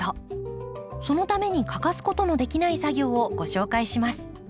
そのために欠かすことのできない作業をご紹介します。